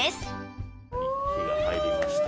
火が入りました。